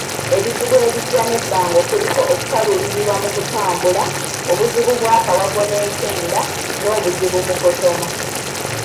Ebizibu ebijja n'ebbango kuliko okukaluubirirwa mu kutambula, obuzibu bw'akawago n'ekyenda, n'obuzibu mu kusoma